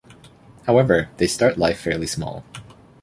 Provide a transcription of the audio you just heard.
However, they start life fairly small.